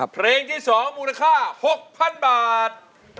เพลงที่๒มูลค่า๖๐๐๐บาท